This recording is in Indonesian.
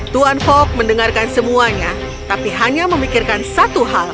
tuan fok mendengarkan semuanya tapi hanya memikirkan satu hal